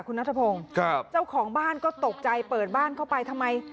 คุณนัทพงศ์ครับเจ้าของบ้านก็ตกใจเปิดบ้านเข้าไปทำไม